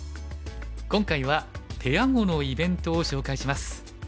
今回はペア碁のイベントを紹介します。